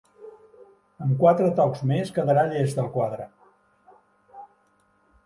Amb quatre tocs més quedarà llest el quadre.